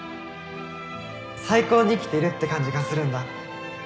「最高に生きてるって感じがするんだ」